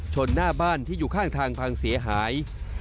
หน้าบ้านที่อยู่ข้างทางพังเสียหาย